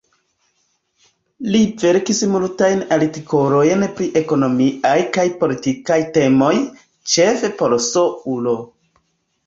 Li verkis multajn artikolojn pri ekonomiaj kaj politikaj temoj, ĉefe por S-ulo.